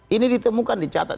ini ditemukan dicatat